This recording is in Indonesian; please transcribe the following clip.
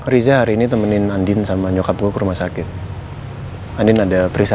riza hari ini temenin andarim sama nyokap gue ke rumah sakit handin ada perisa